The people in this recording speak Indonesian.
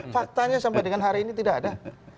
faktanya sampai dengan hari ini tidak ada